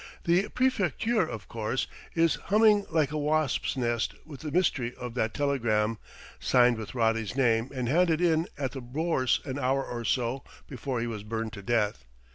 The Préfecture, of course, is humming like a wasp's nest with the mystery of that telegram, signed with Roddy's name and handed in at the Bourse an hour or so before he was 'burned to death.'